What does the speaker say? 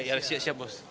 ya lesia siap bos